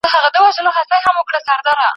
ځکه هغه یوازې د خپل ځان په فکر کي و.